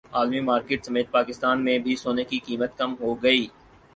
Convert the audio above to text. عالمی مارکیٹ سمیت پاکستان میں بھی سونے کی قیمت کم ہوگئی